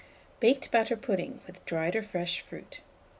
BAKED BATTER PUDDING, with Dried or Fresh Fruit.